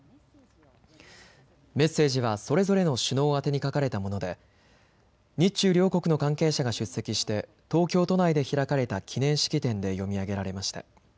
メッセージはそれぞれの首脳宛に書かれたもので日中両国の関係者が出席して東京都内で開かれた記念式典で読み上げられました。